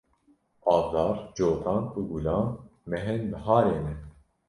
Avdar, Cotan û Gulan mehên biharê ne.